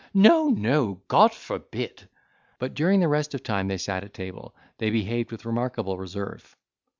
"No, no, God forbid." But during the rest of the time they sat at table, they behaved with remarkable reserve.